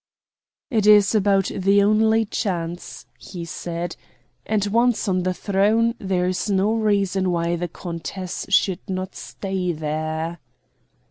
"It is about the only chance," he said, "and once on the throne there is no reason why the countess should not stay there."